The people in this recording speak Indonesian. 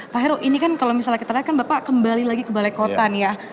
pak heru ini kan kalau misalnya kita lihat kan bapak kembali lagi ke balai kota nih ya